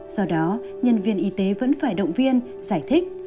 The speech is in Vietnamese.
do đó nhân viên y tế vẫn phải động viên giải thích